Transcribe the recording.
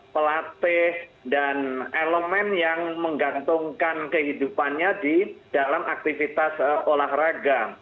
pelatih dan elemen yang menggantungkan kehidupannya di dalam aktivitas olahraga